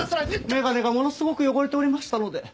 眼鏡がものすごく汚れておりましたので。